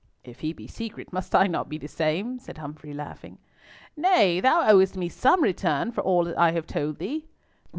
"If he be secret, must not I be the same?" said Humfrey, laughing. "Nay, thou owest me some return for all that I have told thee."